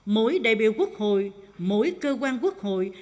mỗi đại biểu quốc hội mỗi cơ quan quốc hội